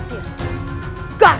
kamu jangan khawatir